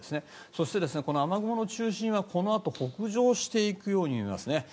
そして、この雨雲の中心はこのあと北上していくようになります。